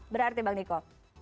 berarti bang niko